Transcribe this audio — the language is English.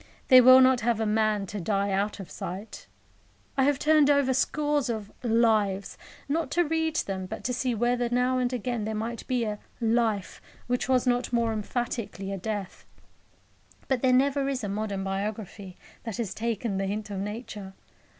They will not have a man to die out of sight. I have turned over scores of "Lives," not to read them, but to see whether now and again there might be a "Life" which was not more emphatically a death. But there never is a modern biography that has taken the hint of Nature.